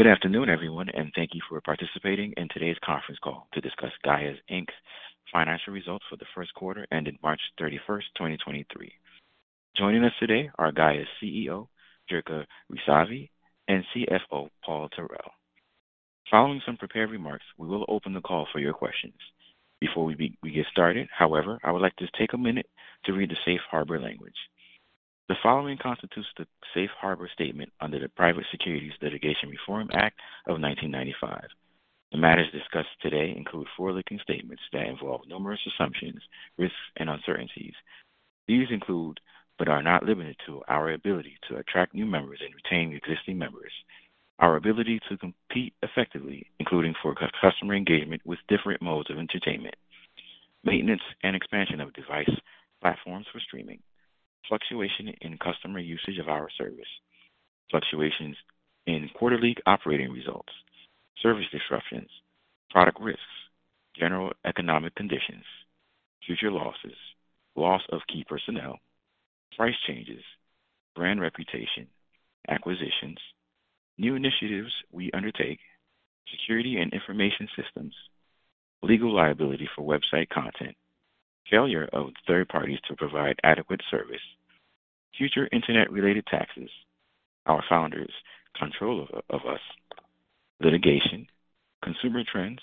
Good afternoon, everyone. Thank you for participating in today's conference call to discuss Gaia Inc. financial results for the first quarter ending March 31, 2023. Joining us today are Gaia's CEO, Jirka Rysavy, and CFO, Paul Tarell. Following some prepared remarks, we will open the call for your questions. Before we get started, however, I would like to take a minute to read the safe harbor language. The following constitutes the safe harbor statement under the Private Securities Litigation Reform Act of 1995. The matters discussed today include forward-looking statements that involve numerous assumptions, risks, and uncertainties. These include, but are not limited to, our ability to attract new members and retain existing members, our ability to compete effectively, including for customer engagement with different modes of entertainment, maintenance and expansion of device platforms for streaming, fluctuation in customer usage of our service, fluctuations in quarterly operating results, service disruptions, product risks, general economic conditions, future losses, loss of key personnel, price changes, brand reputation, acquisitions. New initiatives we undertake, security and information systems, legal liability for website content, failure of third parties to provide adequate service, future internet-related taxes, our founders, control of us, litigation, consumer trends,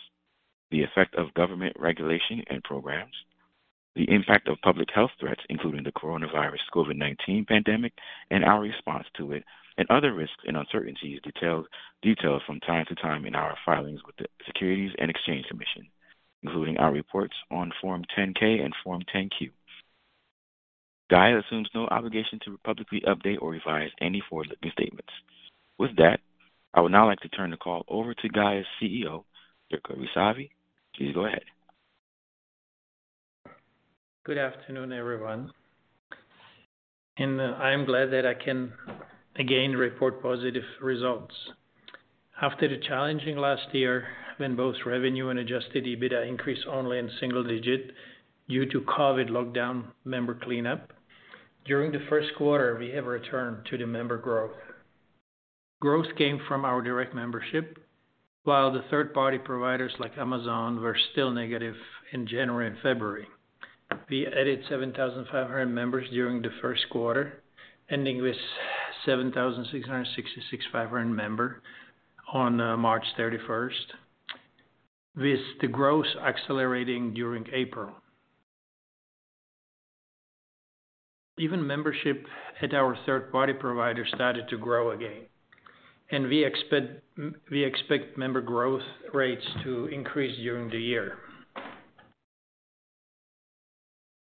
the effect of government regulation and programs, the impact of public health threats, including the coronavirus COVID-19 pandemic and our response to it, and other risks and uncertainties detailed from time to time in our filings with the Securities and Exchange Commission, including our reports on Form 10-K and Form 10-Q. Gaia assumes no obligation to publicly update or revise any forward-looking statements. With that, I would now like to turn the call over to Gaia's CEO, Jirka Rysavy. Please go ahead. Good afternoon, everyone, I am glad that I can again report positive results. After the challenging last year when both revenue and adjusted EBITDA increased only in single digit due to COVID lockdown member cleanup, during the first quarter, we have returned to the member growth. Growth came from our direct membership, while the third-party providers like Amazon were still negative in January and February. We added 7,500 members during the first quarter, ending with 7,665 member on March 31st, with the growth accelerating during April. Even membership at our third-party provider started to grow again, and we expect member growth rates to increase during the year.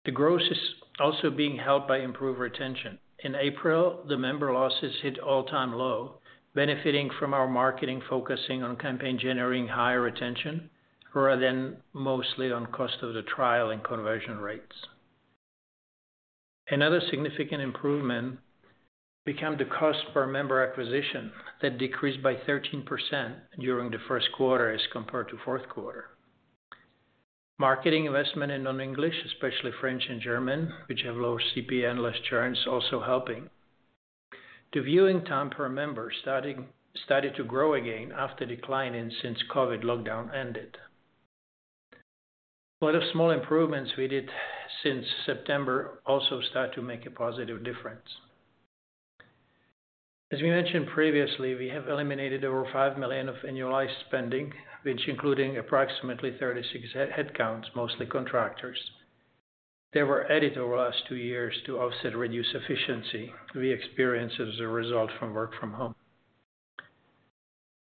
The growth is also being helped by improved retention. In April, the member losses hit all-time low, benefiting from our marketing focusing on campaign generating higher retention rather than mostly on cost of the trial and conversion rates. Another significant improvement become the cost per member acquisition that decreased by 13% during the first quarter as compared to fourth quarter. Marketing investment in non-English, especially French and German, which have lower CPA and less churns, also helping. The viewing time per member started to grow again after declining since COVID lockdown ended. A lot of small improvements we did since September also start to make a positive difference. As we mentioned previously, we have eliminated over $5 million of annualized spending, which including approximately 36 headcounts, mostly contractors. They were added over the last two years to offset reduced efficiency we experienced as a result from work from home.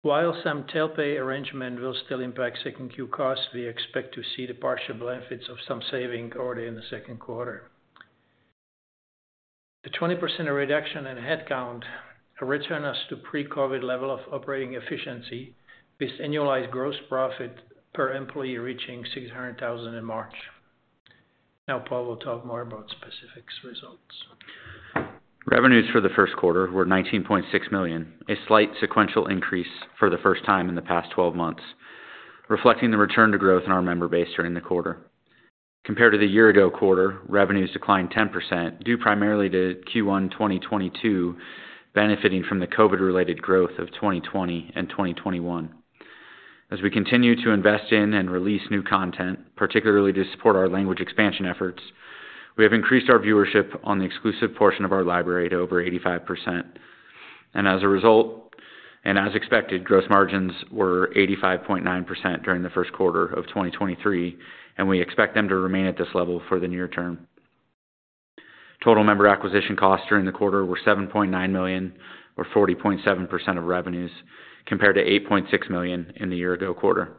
While some tail pay arrangement will still impact 2Q costs, we expect to see the partial benefits of some saving already in the 2Q. The 20% reduction in headcount return us to pre-COVID-19 level of operating efficiency, with annualized gross profit per employee reaching $600,000 in March. Now Paul will talk more about specifics results. Revenues for the first quarter were $19.6 million, a slight sequential increase for the first time in the past 12 months, reflecting the return to growth in our member base during the quarter. Compared to the year ago quarter, revenues declined 10%, due primarily to Q1 2022 benefiting from the COVID-19-related growth of 2020 and 2021. As we continue to invest in and release new content, particularly to support our language expansion efforts, we have increased our viewership on the exclusive portion of our library to over 85%. As a result, and as expected, gross margins were 85.9% during the first quarter of 2023, and we expect them to remain at this level for the near term. Total member acquisition costs during the quarter were $7.9 million or 40.7% of revenues, compared to $8.6 million in the year ago quarter.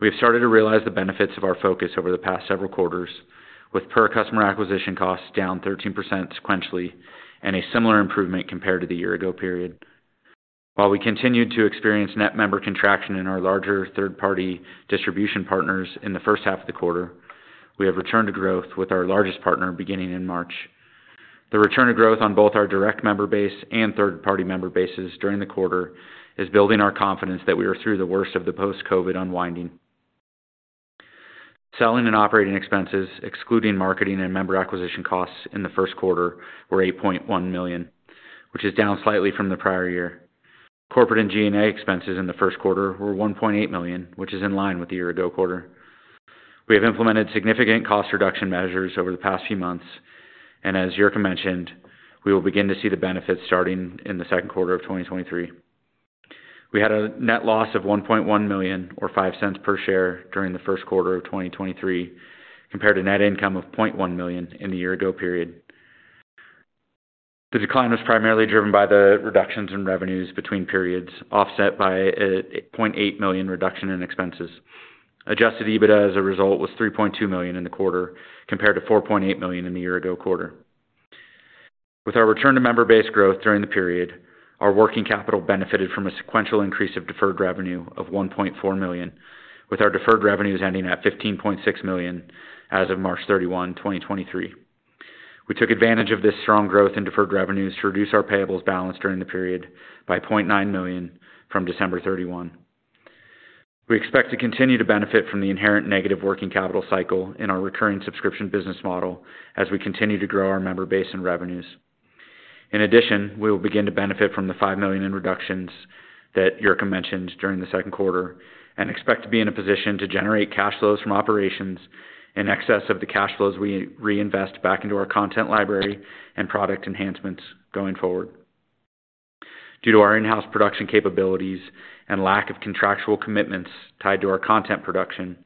We have started to realize the benefits of our focus over the past several quarters with per customer acquisition costs down 13% sequentially and a similar improvement compared to the year ago period. While we continued to experience net member contraction in our larger third-party distribution partners in the first half of the quarter, we have returned to growth with our largest partner beginning in March. The return of growth on both our direct member base and third-party member bases during the quarter is building our confidence that we are through the worst of the post-COVID unwinding. Selling and operating expenses, excluding marketing and member acquisition costs in the first quarter were $8.1 million, which is down slightly from the prior year. Corporate and G&A expenses in the first quarter were $1.8 million, which is in line with the year ago quarter. We have implemented significant cost reduction measures over the past few months, and as Jirka mentioned, we will begin to see the benefits starting in the second quarter of 2023. We had a net loss of $1.1 million or $0.05 per share during the first quarter of 2023, compared to net income of $0.1 million in the year ago period. The decline was primarily driven by the reductions in revenues between periods, offset by a $0.8 million reduction in expenses. Adjusted EBITDA as a result, was $3.2 million in the quarter compared to $4.8 million in the year-ago quarter. With our return to member base growth during the period, our working capital benefited from a sequential increase of deferred revenue of $1.4 million, with our deferred revenues ending at $15.6 million as of March 31, 2023. We took advantage of this strong growth in deferred revenues to reduce our payables balance during the period by $0.9 million from December 31. We expect to continue to benefit from the inherent negative working capital cycle in our recurring subscription business model as we continue to grow our member base and revenues. In addition, we will begin to benefit from the $5 million in reductions that Jirka mentioned during the second quarter, and expect to be in a position to generate cash flows from operations in excess of the cash flows we reinvest back into our content library and product enhancements going forward. Due to our in-house production capabilities and lack of contractual commitments tied to our content production,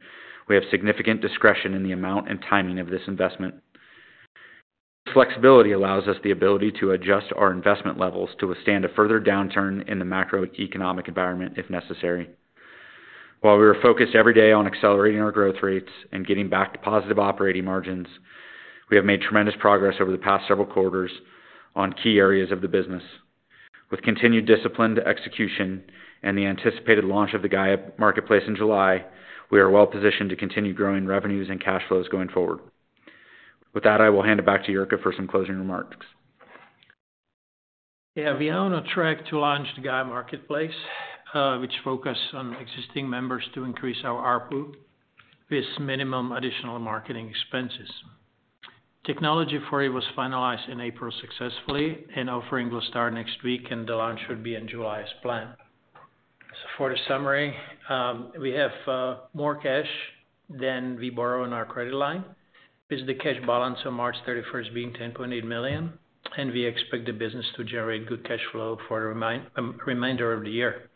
we have significant discretion in the amount and timing of this investment. Flexibility allows us the ability to adjust our investment levels to withstand a further downturn in the macroeconomic environment if necessary. While we are focused every day on accelerating our growth rates and getting back to positive operating margins, we have made tremendous progress over the past several quarters on key areas of the business. With continued disciplined execution and the anticipated launch of the Gaia Marketplace in July, we are well positioned to continue growing revenues and cash flows going forward. With that, I will hand it back to Jirka for some closing remarks. Yeah, we are on track to launch the Gaia Marketplace, which focus on existing members to increase our ARPU with minimum additional marketing expenses. Technology for it was finalized in April successfully, and offering will start next week and the launch should be in July as planned. For the summary, we have more cash than we borrow in our credit line, with the cash balance on March 31st being $10.8 million, and we expect the business to generate good cash flow for the remainder of the year.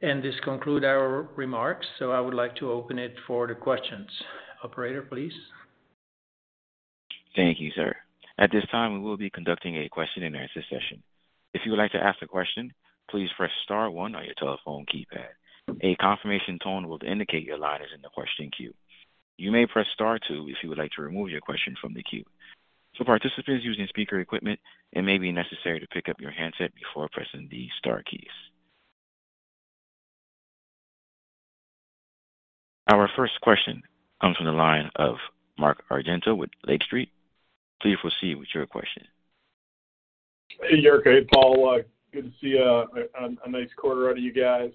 This conclude our remarks, so I would like to open it for the questions. Operator, please. Thank you, sir. At this time, we will be conducting a question and answer session. If you would like to ask a question, please press star one on your telephone keypad. A confirmation tone will indicate your line is in the question queue. You may press star two if you would like to remove your question from the queue. Participants using speaker equipment, it may be necessary to pick up your handset before pressing the star keys. Our first question comes from the line of Mark Argento with Lake Street. Please proceed with your question. Hey, Jirka. Hey, Paul. good to see a nice quarter out of you guys.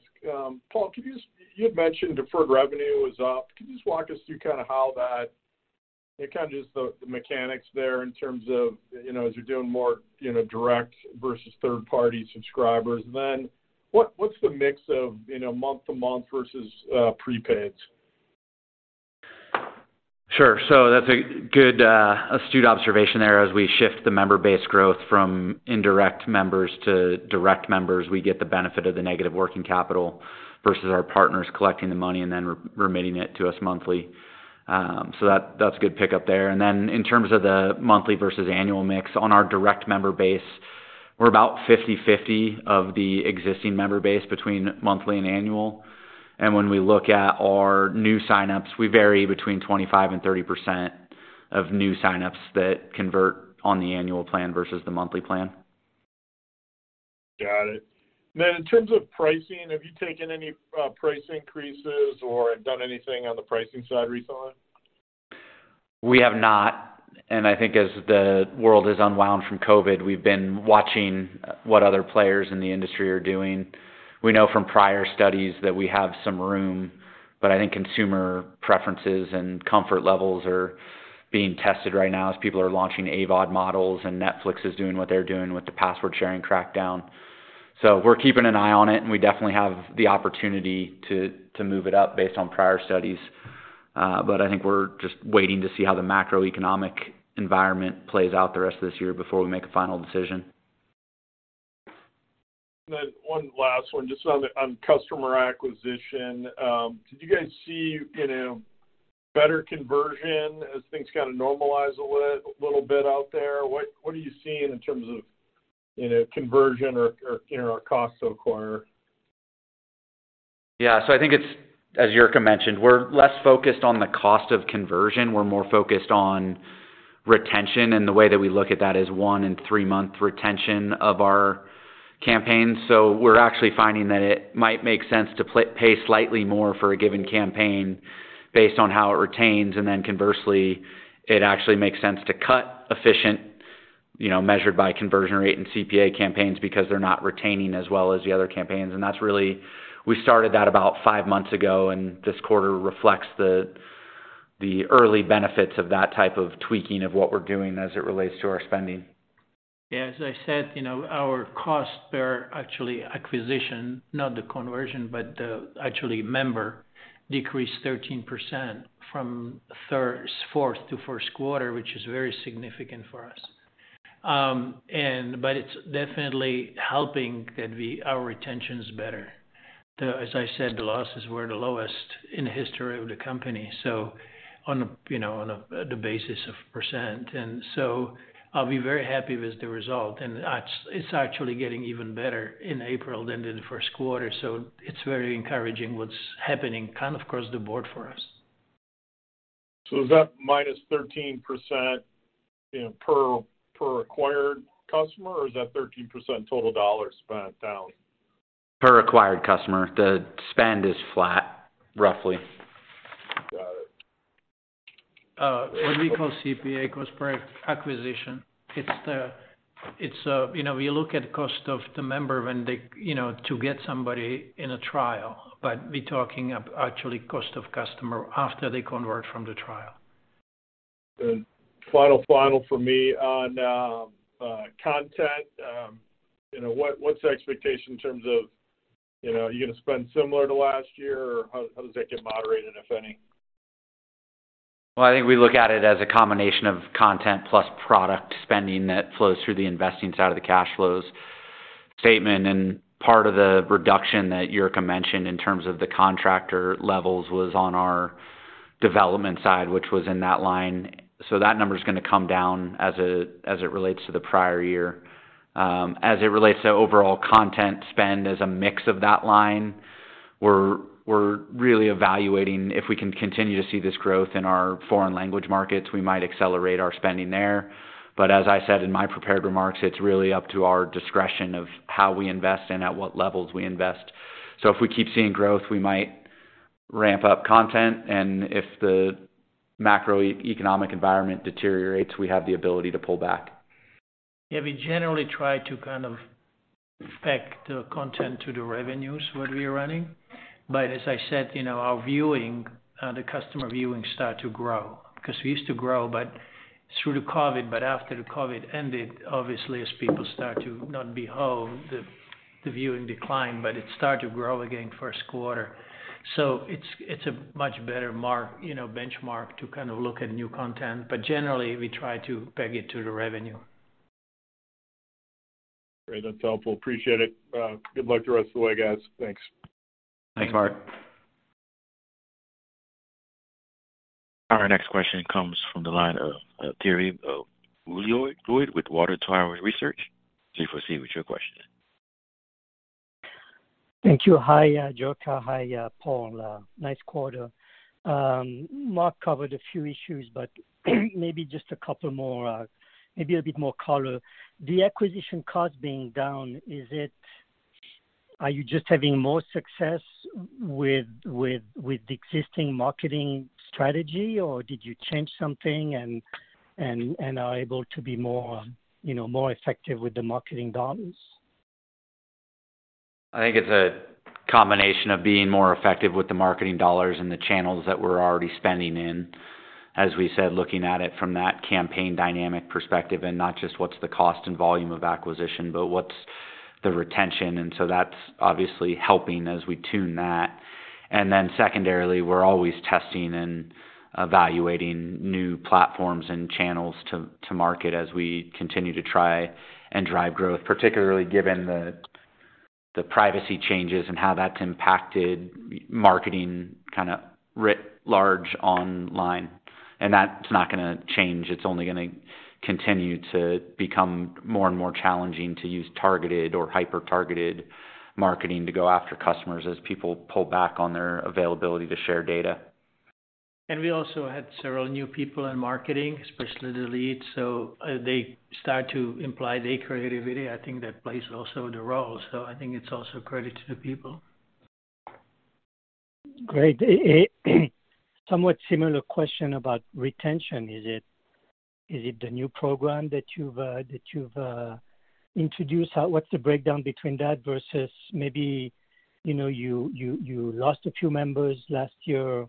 Paul, could you just. You had mentioned deferred revenue was up. Could you just walk us through how the mechanics there in terms of as you're doing more direct versus third party subscribers. Then what's the mix of month to month versus prepaids? Sure. That's a good, astute observation there. As we shift the member base growth from indirect members to direct members, we get the benefit of the negative working capital versus our partners collecting the money and then re-remitting it to us monthly. That's a good pickup there. In terms of the monthly versus annual mix, on our direct member base, we're about 50/50 of the existing member base between monthly and annual. When we look at our new signups, we vary between 25% and 30% of new signups that convert on the annual plan versus the monthly plan. Got it. In terms of pricing, have you taken any price increases or done anything on the pricing side recently? We have not, and I think as the world has unwound from COVID, we've been watching what other players in the industry are doing. We know from prior studies that we have some room, but I think consumer preferences and comfort levels are being tested right now as people are launching AVOD models, and Netflix is doing what they're doing with the password sharing crackdown. We're keeping an eye on it, and we definitely have the opportunity to move it up based on prior studies. I think we're just waiting to see how the macroeconomic environment plays out the rest of this year before we make a final decision. One last one just on customer acquisition. Did you guys see, you know, better conversion as things kinda normalize a little bit out there? What are you seeing in terms of, you know, conversion or, you know, or cost to acquire? Yeah. I think it's, as Jirka mentioned, we're less focused on the cost of conversion. We're more focused on retention, and the way that we look at that is one in three-month retention of our campaign. We're actually finding that it might make sense to pay slightly more for a given campaign based on how it retains, and then conversely, it actually makes sense to cut efficient, you know, measured by conversion rate and CPA campaigns because they're not retaining as well as the other campaigns. That's really. We started that about five months ago, and this quarter reflects the early benefits of that type of tweaking of what we're doing as it relates to our spending. Yeah. As I said, you know, our cost per actually acquisition, not the conversion, but actually member decreased 13% from fourth to first quarter, which is very significant for us. It's definitely helping that our retention's better. As I said, the losses were the lowest in history of the company, so on a, you know, on a, the basis of %. I'll be very happy with the result. It's actually getting even better in April than in the first quarter. It's very encouraging what's happening kind of across the board for us. Is that -13%, you know, per acquired customer, or is that 13% total dollars spent down? Per acquired customer. The spend is flat, roughly. Got it. What we call CPA, cost per acquisition, it's, you know, we look at cost of the member when they, you know, to get somebody in a trial, but we're talking actually cost of customer after they convert from the trial. Final for me on content, you know, what's the expectation in terms of, are you gonna spend similar to last year? How does that get moderated, if any? Well, I think we look at it as a combination of content plus product spending that flows through the investing side of the cash flows statement. Part of the reduction that Jirka mentioned in terms of the contractor levels was on our development side, which was in that line. That number is gonna come down as it relates to the prior year. As it relates to overall content spend as a mix of that line, we're really evaluating if we can continue to see this growth in our foreign language markets, we might accelerate our spending there. As I said in my prepared remarks, it's really up to our discretion of how we invest and at what levels we invest. If we keep seeing growth, we might ramp up content, and if the macroeconomic environment deteriorates, we have the ability to pull back. We generally try to kind of peg the content to the revenues when we are running. As I said, you know, our viewing, the customer viewing start to grow because we used to grow, but through the COVID, but after the COVID ended, obviously as people start to not be home, the viewing declined, but it started to grow again first quarter. It's a much better you know, benchmark to kind of look at new content. Generally, we try to peg it to the revenue. Great. That's helpful. Appreciate it. Good luck the rest of the way, guys. Thanks. Thanks, Mark. Our next question comes from the line of Thierry Wuilloud with Water Tower Research. Please proceed with your question. Thank you. Hi, Jirka. Hi, Paul. Nice quarter. Mark covered a few issues, but maybe just a couple more, maybe a bit more color. The acquisition cost being down, are you just having more success with the existing marketing strategy, or did you change something and are able to be more effective with the marketing dollars? I think it's a combination of being more effective with the marketing dollars and the channels that we're already spending in. As we said, looking at it from that campaign dynamic perspective and not just what's the cost and volume of acquisition, but what's the retention. That's obviously helping as we tune that. Secondarily, we're always testing and evaluating new platforms and channels to market as we continue to try and drive growth, particularly given the privacy changes and how that's impacted marketing kinda writ large online. That's not gonna change. It's only gonna continue to become more and more challenging to use targeted or hyper-targeted marketing to go after customers as people pull back on their availability to share data. We also had several new people in marketing, especially the leads. They start to imply their creativity. I think that plays also the role. I think it's also credit to the people. Great. A somewhat similar question about retention. Is it the new program that you've introduced? What's the breakdown between that versus maybe, you know, you lost a few members last year,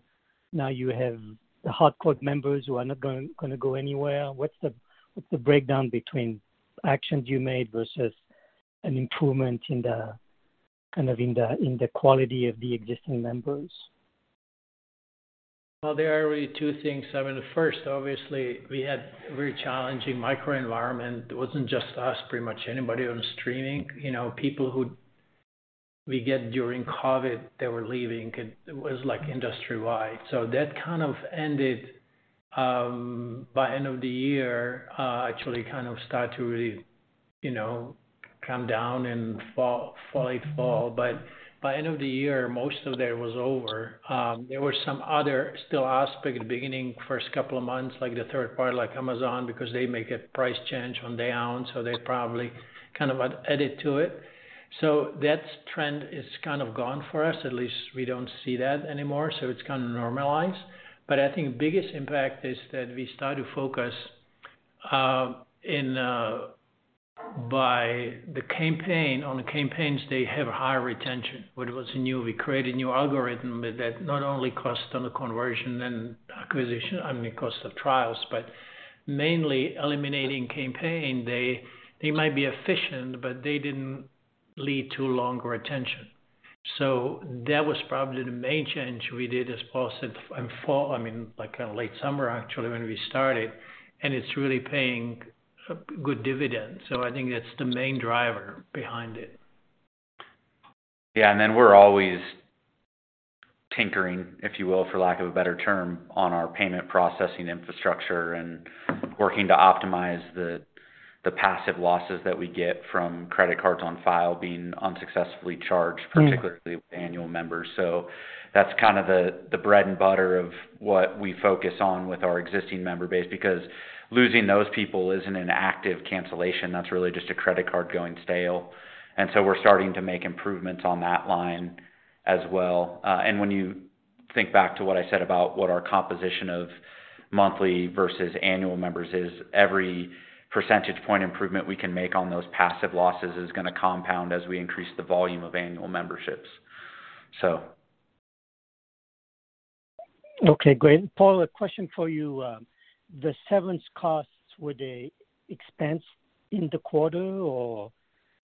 now you have the hardcore members who are not gonna go anywhere. What's the breakdown between actions you made versus an improvement in the kind of in the quality of the existing members? Well, there are really two things. I mean, first, obviously, we had a very challenging microenvironment. It wasn't just us, pretty much anybody on streaming. You know, people who we get during COVID, they were leaving. It was, like, industry-wide. That kind of ended by end of the year, actually kind of start to really, you know, come down in fall, late fall. By end of the year, most of that was over. There were some other still aspect at the beginning, first couple of months, like the third party, like Amazon, because they make a price change on their own, so they probably kind of added to it. That trend is kind of gone for us. At least we don't see that anymore, so it's kind of normalized. I think biggest impact is that we start to focus on the campaigns, they have higher retention. We created a new algorithm that not only cost on the conversion and acquisition, I mean, cost of trials, but mainly eliminating campaign. They might be efficient, but they didn't lead to longer retention. That was probably the main change we did as Paul said in fall, I mean, like, kind of late summer actually when we started, and it's really paying a good dividend. I think that's the main driver behind it. Yeah. We're always tinkering, if you will, for lack of a better term, on our payment processing infrastructure and working to optimize the passive losses that we get from credit cards on file being unsuccessfully charged, particularly with annual members. That's kind of the bread and butter of what we focus on with our existing member base, because losing those people isn't an active cancellation. That's really just a credit card going stale. We're starting to make improvements on that line as well. When you think back to what I said about what our composition of monthly versus annual members is, every percentage point improvement we can make on those passive losses is gonna compound as we increase the volume of annual memberships. Okay, great. Paul, a question for you. The severance costs, were they expense in the quarter, or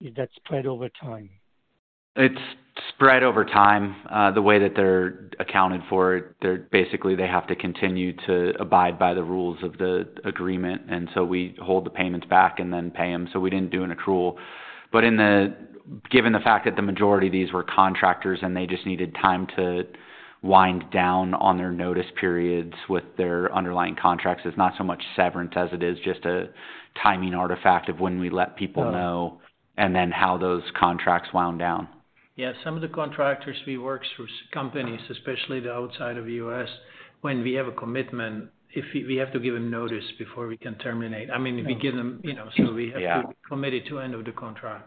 is that spread over time? It's spread over time. The way that they're accounted for it, they basically have to continue to abide by the rules of the agreement. We hold the payments back and then pay them. We didn't do an accrual. Given the fact that the majority of these were contractors and they just needed time to wind down on their notice periods with their underlying contracts, it's not so much severance as it is just a timing artifact of when we let people know. Oh. How those contracts wound down. Yeah. Some of the contractors we work through companies, especially the outside of U.S., when we have a commitment, if we have to give them notice before we can terminate. I mean, we give them, you know. Yeah. commit it to end of the contract.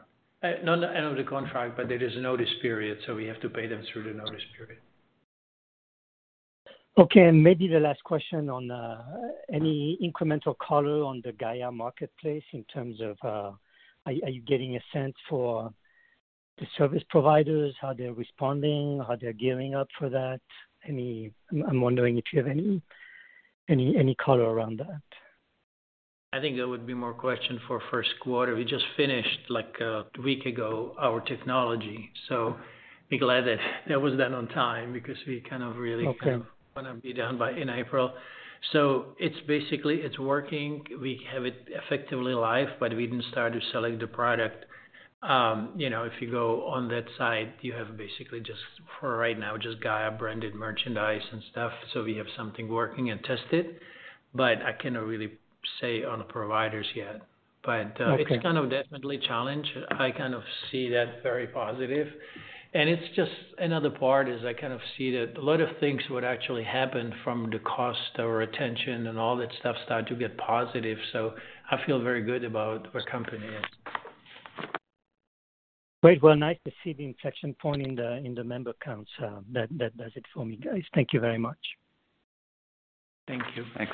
Not end of the contract, but there is a notice period, so we have to pay them through the notice period. Okay. Maybe the last question on any incremental color on the Gaia Marketplace in terms of, are you getting a sense for the service providers, how they're responding, how they're gearing up for that? I'm wondering if you have any color around that. I think that would be more question for first quarter. We just finished like, a week ago our technology, be glad that that was done on time because we kind of. Okay. Wanna be done by in April. It's basically it's working. We have it effectively live, but we didn't start selling the product. You know, if you go on that site, you have basically just for right now, just Gaia branded merchandise and stuff. We have something working and tested, but I cannot really say on the providers yet. Okay. It's kind of definitely challenge. I kind of see that very positive. It's just another part is I kind of see that a lot of things would actually happen from the cost or retention and all that stuff start to get positive. I feel very good about where company is. Great. Well, nice to see the inflection point in the, in the member counts. That does it for me, guys. Thank you very much. Thank you. Thanks.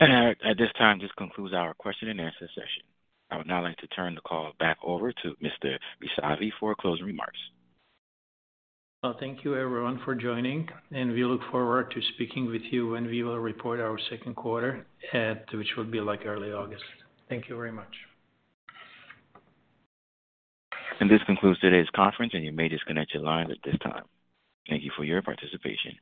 At this time, this concludes our question and answer session. I would now like to turn the call back over to Mr. Rysavy for closing remarks. Well, thank you everyone for joining. We look forward to speaking with you when we will report our second quarter at, which will be like early August. Thank you very much. This concludes today's conference, and you may disconnect your lines at this time. Thank you for your participation.